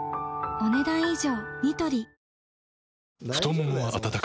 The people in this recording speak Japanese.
お、ねだん以上。